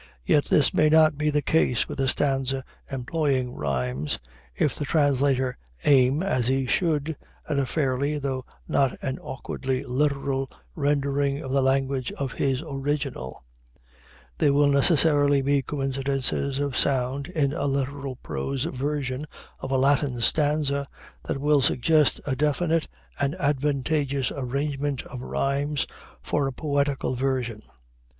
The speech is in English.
Yet this may not be the case with a stanza employing rhymes, if the translator aim, as he should, at a fairly, though not an awkwardly literal rendering of the language of his original. There will necessarily be coincidences of sound in a literal prose version of a Latin stanza that will suggest a definite and advantageous arrangement of rhymes for a poetical version.